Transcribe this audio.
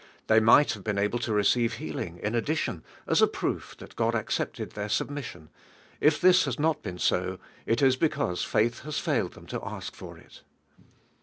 They might have been able to re ceive healing, in addition, as a proof that God accepted their submission; if this > u i DIVIME nEALIHO. not been so, it is because faith has failed them to ask for it.